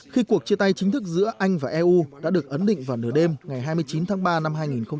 khi cuộc chia tay chính thức giữa anh và eu đã được ấn định vào nửa đêm ngày hai mươi chín tháng ba năm hai nghìn hai mươi